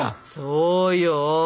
そうよ！